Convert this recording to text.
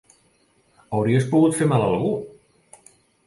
Hauries pogut fer mal a algú!